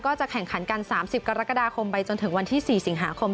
จะแข่งขันกัน๓๐กรกฎาคมไปจนถึงวันที่๔สิงหาคม